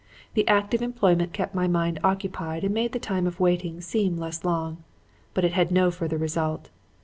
The active employment kept my mind occupied and made the time of waiting seem less long; but it had no further result.